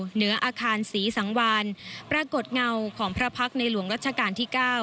เหนืออาคารศรีสังวานปรากฏเงาของพระพักษ์ในหลวงรัชกาลที่๙